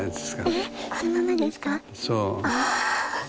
ああ。